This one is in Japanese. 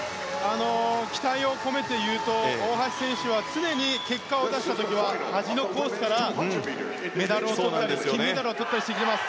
期待を込めて言うと大橋選手は常に結果を出した時は端のコースから金メダルをとっています。